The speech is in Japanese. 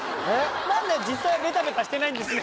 何だよ実際はベタベタしてないんですかって。